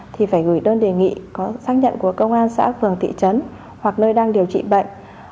thì phải gửi đơn đề nghị có xác nhận của công an xã phường thị trấn hoặc nơi đang điều trị bệnh